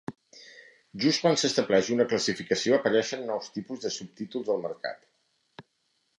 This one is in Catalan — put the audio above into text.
Just quan s'estableix una classificació apareixen nous tipus de subtítols al mercat.